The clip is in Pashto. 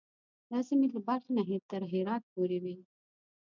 دا سیمې له بلخ نه تر هرات پورې وې.